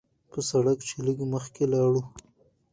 پۀ سړک چې لږ مخکښې لاړو